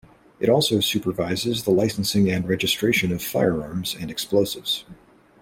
It also supervises the licensing and registration of firearms and explosives.